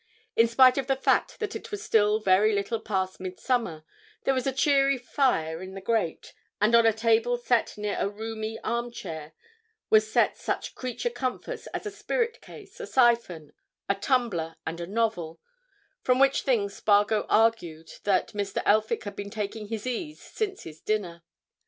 In spite of the fact that it was still very little past midsummer there was a cheery fire in the grate, and on a table set near a roomy arm chair was set such creature comforts as a spirit case, a syphon, a tumbler, and a novel—from which things Spargo argued that Mr. Elphick had been taking his ease since his dinner.